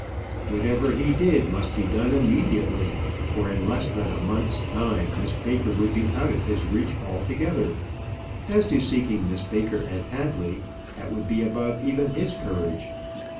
Whatever he did must be done immediately, for in less than a month's time, Miss Baker would be out of his reach altogether. As to seeking Miss Baker at Hadley, that would be above even his courage.